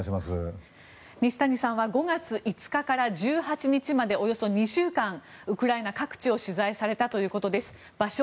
西谷さんは５月５日から１８日までおよそ２週間ウクライナ各地を取材されたということです。